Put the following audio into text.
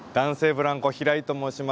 ブランコ平井と申します。